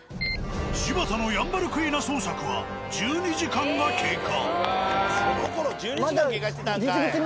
柴田のヤンバルクイナ捜索は１２時間が経過。